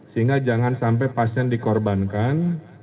sehingga jangan sampai pasien dikorbankan